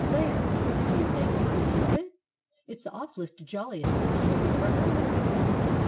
There! do you think you could keep it? It's the awfulest jolliest thing you ever heard of."